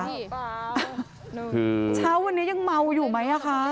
คือเช้าวันนี้ยังเมาอยู่ไหมอ่ะคะ